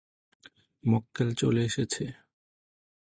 মক্কেল চলে এসেছে!